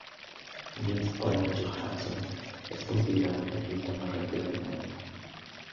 Jens Ola Johansson es considerado el teclista más rápido del mundo.